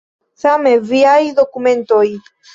Same viaj dokumentoj.